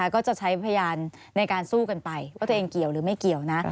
ก็จะใช้พยานในการสู้กันไปว่าตัวเองเกี่ยวหรือไม่เกี่ยวนะ